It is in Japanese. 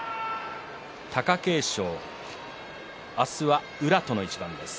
貴景勝、明日は宇良との一番です。